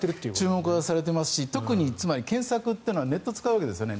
注目はされていますし特に、検索というのはネットを使うわけですよね。